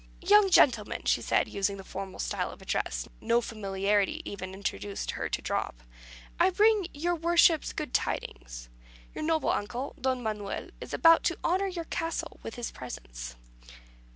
"Young gentlemen," she said, using the formal style of address no familiarity ever induced her to drop, "I bring your worships good tidings. Your noble uncle, Don Manuel, is about to honour your castle with his presence."